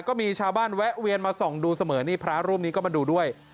ก็มีชาวบ้านแวะเวียนมาส่องดูเสมอนี่พระรูปนี้ก็มาดูด้วย